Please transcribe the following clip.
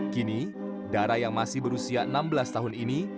kini dara yang masih berusia enam belas tahun ini